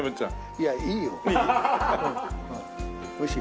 いやいいよ。いい？